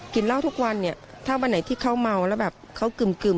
กินเหล้าทุกวันเนี่ยถ้าเมื่อไหนที่เขาเมาแล้วแบบเขากึ่มกึ่ม